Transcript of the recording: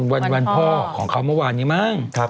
วันพ่อของเขาเมื่อวานนี้มั้ง